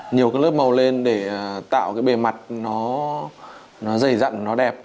nhiều cái lớp màu lên để tạo cái bề mặt nó dày dặn nó đẹp